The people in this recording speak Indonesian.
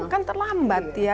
kan terlambat ya